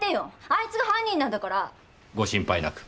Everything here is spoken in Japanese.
あいつが犯人なんだから！ご心配なく。